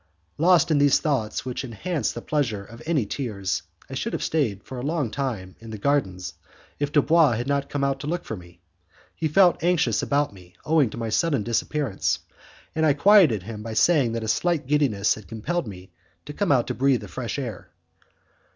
Lost in these thoughts which enhanced the pleasure of any tears, I should have stayed for a long time in the garden if Dubois had not come out to look for me. He felt anxious about me, owing to my sudden disappearance, and I quieted him by saying that a slight giddiness had compelled me to come out to breathe the fresh air.